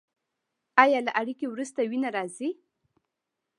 ایا له اړیکې وروسته وینه راځي؟